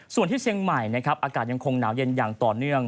ส่วนที่เชียงใหม่นะครับอากาศยังคงหนาวเย็นอย่างต่อเนื่อง